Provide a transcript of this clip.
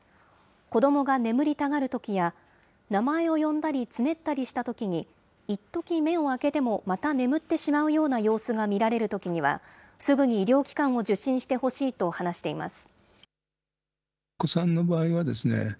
子どもが眠りたがるときや、名前を呼んだり、つねったりしたときに、いっとき目を開けてもまた眠ってしまうような様子が見られるときには、すぐに医療機関を受診してほしいと話しています。